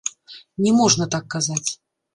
Не можна так казаць.